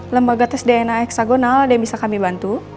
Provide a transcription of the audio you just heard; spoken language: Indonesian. lembaga tes dna hexagonal ada yang bisa kami bantu